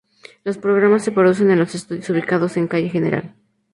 Los programas se producen en los estudios ubicados en calle Gral.